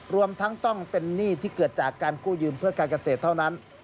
รวมทั้งต้องเป็นหนี้ที่เกิดจากการกู้ยืมเพื่อการเกษตรเท่านั้น